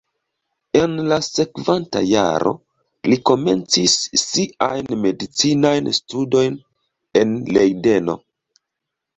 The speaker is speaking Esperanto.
En la sekvanta jaro li komencis siajn medicinajn studojn en Lejdeno.